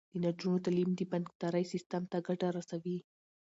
د نجونو تعلیم د بانکدارۍ سیستم ته ګټه رسوي.